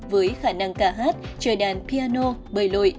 với khả năng ca hát chơi đàn piano bời lội